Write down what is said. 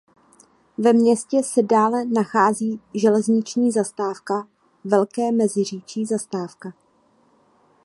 Ve městě se dále nachází železniční zastávka "Velké Meziříčí zastávka".